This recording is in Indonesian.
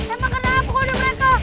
emang kenapa kok udah mereka